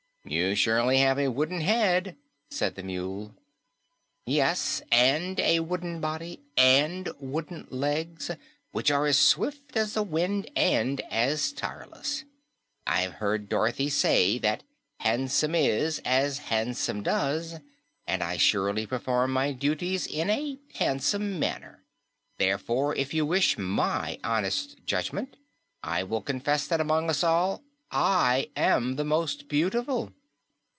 "You surely have a wooden head," said the Mule. "Yes, and a wooden body and wooden legs, which are as swift as the wind and as tireless. I've heard Dorothy say that 'handsome is as handsome does,' and I surely perform my duties in a handsome manner. Therefore, if you wish my honest judgment, I will confess that among us all I am the most beautiful."